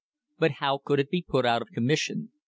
But how could it be put out of commission?